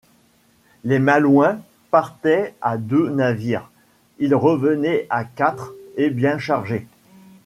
Les Malouins partaient à deux navires, ils revenaient à quatre et bien chargés.